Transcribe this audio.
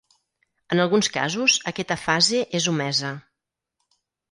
En alguns casos aquesta fase és omesa.